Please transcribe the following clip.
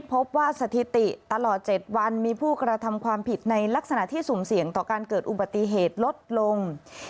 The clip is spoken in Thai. พบว่าสถิติตลอด๗วันมีผู้กระทำความผิดในลักษณะที่สุ่มเสี่ยงต่อการเกิดอุบัติเหตุลดลง